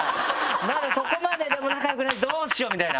まだそこまででも仲良くないしどうしようみたいな。